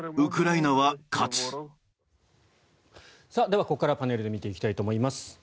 ではここからパネルで見ていきたいと思います。